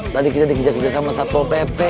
tadi kita dikejar kejar sama satpol pp